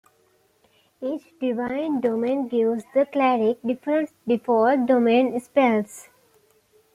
Each Divine Domain gives the cleric different default domain spells.